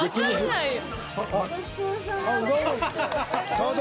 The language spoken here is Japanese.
どうぞ。